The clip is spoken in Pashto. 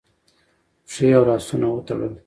پښې او لاسونه وتړل